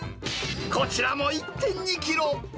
こちらも１．２キロ。